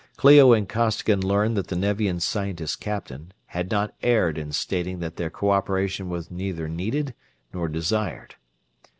Clio and Costigan learned that the Nevian scientist captain had not erred in stating that their co operation was neither needed nor desired.